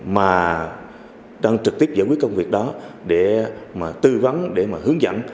mà đang trực tiếp giải quyết công việc đó để mà tư vấn để mà hướng dẫn